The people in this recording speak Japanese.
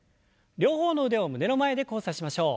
両方の腕を胸の前で交差しましょう。